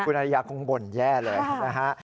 คุณอริยาคงบ่นแย่เลยนะฮะ